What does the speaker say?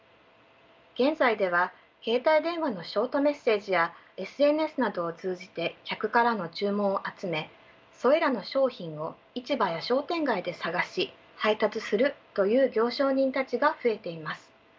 現在では携帯電話のショートメッセージやＳＮＳなどを通じて客からの注文を集めそれらの商品を市場や商店街で探し配達するという行商人たちが増えています。